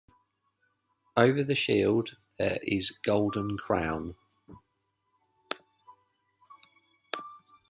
Over the shield there is golden crown.